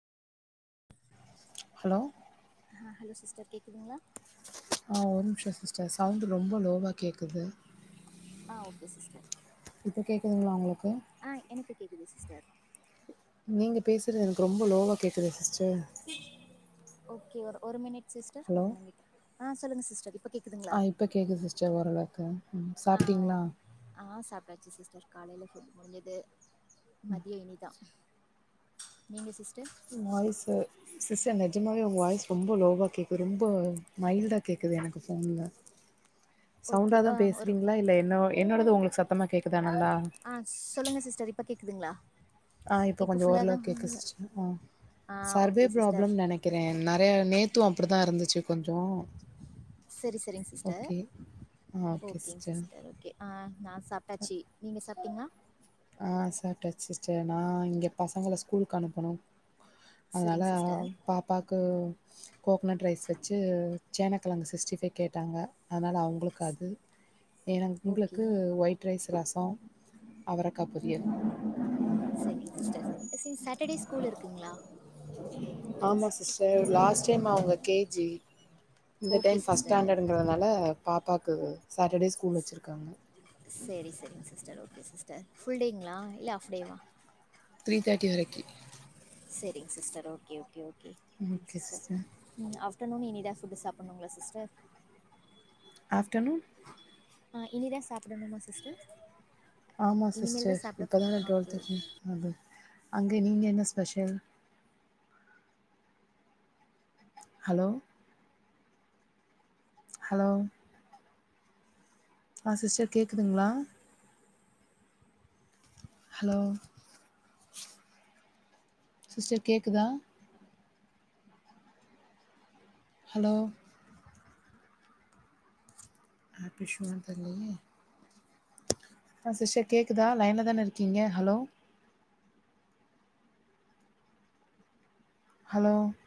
Hello ஆ hello sister கேக்குதுங்ளா ஆ ஒரு நிம்ஷோ சிஸ்டர் சவுண்டு ரொம்ப லோவா கேக்குது ஆ ஓகே சிஸ்டர் இப்போ கேக்குதுங்ளா உங்களுக்கு ஆ எனக்கு கேக்குது சிஸ்டர் நீங்க பேசுறது எனக்கு ரொம்ப லோவா கேக்குது சிஸ்டர் ஓகே ஒரு ஒரு மினிட் சிஸ்டர் ஹலோ ஒரு மினிட் ஆ சொல்லுங்க சிஸ்டர் இப்ப கே ஆ இப்போ கேக்கு சிஸ்டர் ஓரளவுக்கு ம் ஆ சாப்ட்டிங்ளா ஓகே ஆ சாப்ட்டாச்சு சிஸ்டர் காலேல ஃபுட் முடிஞ்சுது மதியோ இனிதா நீங்க சிஸ்டர் வாய்ஸு சிஸ்டர் நெஜமாகவே உங்க வாய்ஸ் ரொம்ப லோவா கேக்கு ரொம்ப மைல்டா கேக்குது எனக்கு ஃபோன்ல ஓகே சவுண்டாதா ஆ ஒரு பேச்றீங்களா இல்ல என்னோ என்னோடது உங்களுக்கு சத்தமா கேக்குதா நல்லா ஆ சொல்லுங்க சிஸ்டர் இப்ப கேக்குதுங்களா ஆ இப்போ கொஞ்ச ஃபுல்லா தா ஓரளவுக் கேக்கு சிஸ்டர் ஆ ஆ சர்வே ஓகே சிஸ்டர் ப்ராப்ளம் நெனைக் குறே நறைய நேத்து அப்டிதா இருந்துச்சு கொஞ்சம் செரி செரிங்க சிஸ்டர் ஓகே. ஆ ஓகே ஓகேங்க சிஸ்டர் ஓகே ஆ நா சாப்பிட்டாச்சு நீங்க சாப்பிட்டீங்களா ஆ சாப்பிட்டாச்சு சிஸ்டர் நா இங்க பசங்கள ஸ்கூலுக்கு அனுப்பனு அதனால சரிங்க சிஸ்டர் பாப்பாக்கு கோகனட் ரைஸ் வச்சு சேனக்கிழங்கு சிக்ஸ்ட்டி ஃபைவ் கேட்டாங்க அதனால அவுங்களுக்கு அது [inaudible] ஏனா ஓகே எங்களுக்கு ஒயிட் ரைஸ் ரசம் அவரக்கா ம் பொரியல் ம் ம் சரிங்க சிஸ்டர் சரி சரி சேட்டர்டே ஸ்கூல் இருக்குங்குளா ஆமா சிஸ்டர் லாஸ்ட் டைம் அவுங்க கேஜி இந்த ஓகே டைம் ஃபர்ஸ்ட் சிஸ்டர் ஸ்டாண்டர்டுங்கிறதுனால பாப்பாவுக்கு சாட்டர்டே ஸ்கூல் வச்சுருக்காங்க சரி சரிங்க சிஸர் ஓகே சிஸ்டர் புல் டேங்களா இல்ல ஹாடே வா த்ரி தேர்டி வரைக்கி சரிங்க sister okay okay okay sister ம் ஆப்டர்னு இனி தா செஞ்சு சாப்புடுனுங்களா சிஸ்டர் ஆஃப்டர்னுன் ஆ இனி தா சாப்பிடணுமா சிஸ்டர் ஆமாம் இனிமேல் சிஸ்டர் தான் சாப்பிட இப்ப தா போகணும் ஓகே ஓகே டுவெல்த்துக்கு அது அங்க நீங்க என்ன ஸ்பெஷல் ஹலோ ஹலோ ஆ சிஸ்டர் கேக்குதுங்களா ஹலோ சிஸ்டர் கேக்குதா ஹலோ ஹெல்த் இஷ்யூ வானு தெரிலையே ஆ சிஸ்டர் கேக்குதா லைனில தானா இருக்கீங்க ஹலோ ஹலோ